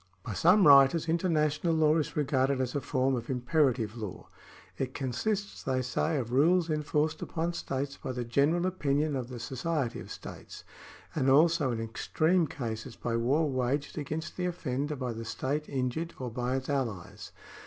By some writers international law is regarded as a form of imperative law ; it consists, they say, of rules enforced upon states by the general opinion of the society of states, and also in extreme cases by war waged against the offender by the state injured or by its alhes.